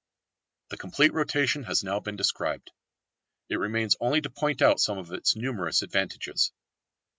The complete rotation has now been described. It remains only to point out some of its numerous advantages.